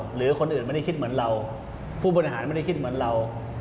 หรือคนอื่นไม่ได้คิดเหมือนเราผู้บริหารไม่ได้คิดเหมือนเรา